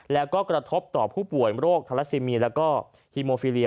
แล้วก็กระทบต่อผู้ป่วยโรคทาราซิเมียแล้วก็ฮีโมฟิเลีย